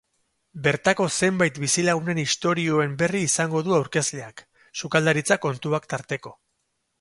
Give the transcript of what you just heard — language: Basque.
Bertako zenbait bizilagunen istorioen berri izango du aurkezleak, sukaldaritza kontuak tarteko.